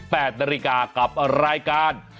๘นาฬิกากับรายการ